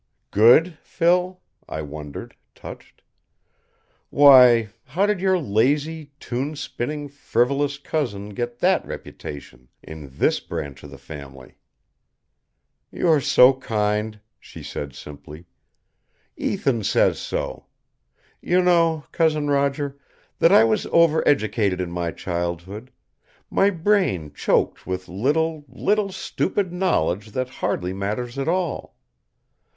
"Good, Phil?" I wondered, touched. "Why, how did your lazy, tune spinning, frivolous cousin get that reputation in this branch of the family?" "You are so kind," she said simply. "Ethan says so. You know, Cousin Roger, that I was over educated in my childhood; my brain choked with little, little stupid knowledge that hardly matters at all.